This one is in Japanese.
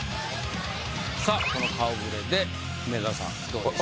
さあこの顔ぶれで梅沢さんどうでしょう？